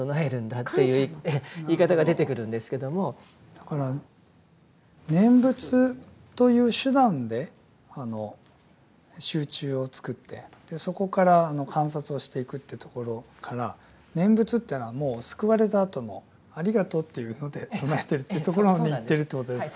だから念仏という手段で集中をつくってそこから観察をしていくというところから念仏というのはもう救われたあとのありがとうというので唱えてるというところにいってるということですか。